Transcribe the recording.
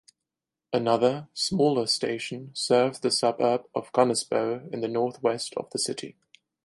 Another, smaller station serves the suburb of Gunnesbo in the north-west of the city.